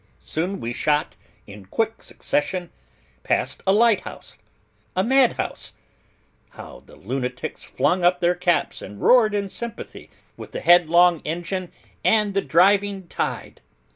Soon we shot in quick succession, past a light house; a madhouse (how the lunatics flung up their caps and roared in sympathy with the headlong engine and the driving tide!)